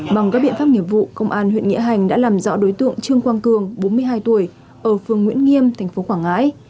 bằng các biện pháp nghiệp vụ công an huyện nghĩa hành đã làm rõ đối tượng trương quang cường bốn mươi hai tuổi ở phường nguyễn nghiêm tp quảng ngãi